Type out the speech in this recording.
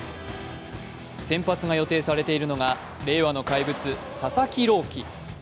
先発が予定されているのが令和の怪物・佐々木朗希投手。